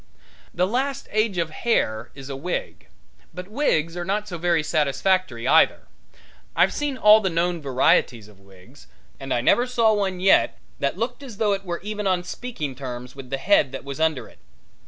The last age of hair is a wig. But wigs are not so very satisfactory either. I've seen all the known varieties of wigs, and I never saw one yet that looked as though it were even on speaking terms with the head that was under it.